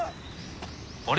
あれ？